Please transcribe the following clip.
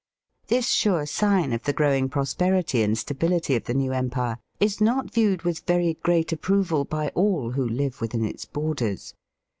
This sure sign of the growing prosperity and stability of the new empire is not viewed with very great approval by all who live within its borders.